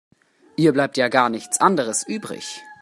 Ihr bleibt ja gar nichts anderes übrig.